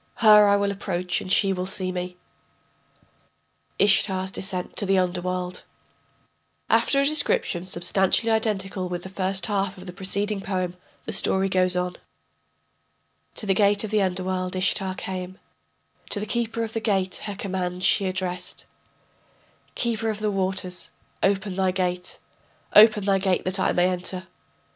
Her I will approach and she will see me. ISHTAR'S DESCENT TO THE UNDERWORLD [After a description substantially identical with the first half of the preceding poem, the story goes on: ] To the gate of the underworld Ishtar came, To the keeper of the gate her command she addressed: Keeper of the waters, open thy gate, Open thy gate that I may enter.